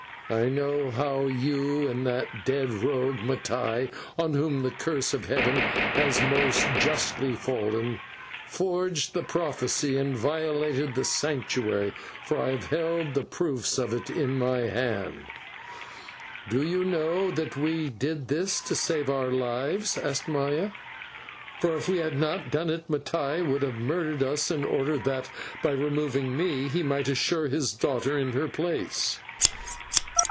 I know how you and that dead rogue, Mattai, on whom the curse of heaven has most justly fallen, forged the prophecy and violated the sanctuary, for I have held the proofs of it in my hand." "Do you know that we did this to save our lives," asked Maya, "for if we had not done it, Mattai would have murdered us in order that, by removing me, he might assure his daughter in her place?"